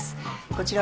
こちらは。